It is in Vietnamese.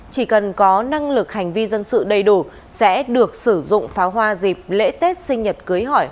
chỉ cần có năng lực hành vi dân sự đầy đủ sẽ được sử dụng pháo hoa dịp lễ tết sinh nhật cưới hỏi